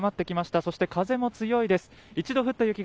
そして風も強いです。